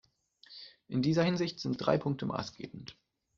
In dieser Hinsicht sind drei Punkte maßgebend.